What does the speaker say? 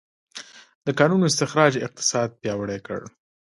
د کانونو استخراج اقتصاد پیاوړی کړ.